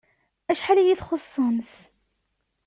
Acḥal iyi-txuṣṣemt!